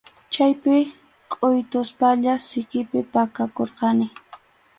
Chaypi kʼuytuspalla sikipi pakakurqani.